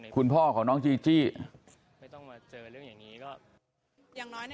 คุณพ่อของน้องจีบอกว่าที่บอกว่าพ่อของอีกคิวมาร่วมแสดงความอารัยในงานสวดศพของน้องจีด้วยคุณพ่อก็ไม่ทันเห็นนะครับ